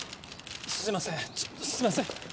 すいませんすいません。